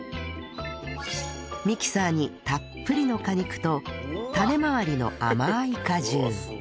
ミキサーにたっぷりの果肉と種まわりの甘い果汁